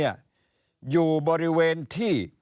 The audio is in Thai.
อยู่บริเวณที่